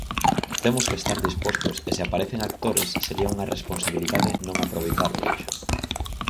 Temos que estar dispostos e se aparecen actores sería unha responsabilidade non aproveitalo, dixo.